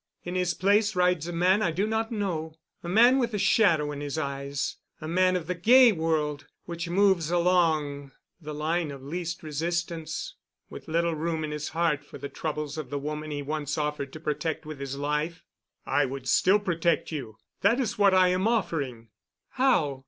In his place rides a man I do not know, a man with a shadow in his eyes, a man of the gay world, which moves along the line of least resistance, with little room in his heart for the troubles of the woman he once offered to protect with his life." "I would still protect you—that is what I am offering." "How?